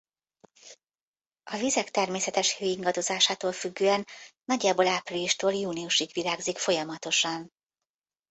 A vizek természetes hőingadozásától függően nagyjából áprilistól júniusig virágzik folyamatosan.